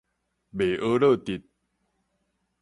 袂呵咾得